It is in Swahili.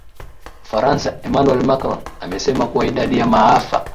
Ufaransa Emmanuel Macron amesema kuwa idadi ya maafa